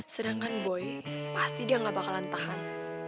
sedangkan boy pasti dia gak bakalan tahan